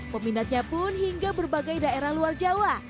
peminatnya pun hingga berbagai daerah luar jawa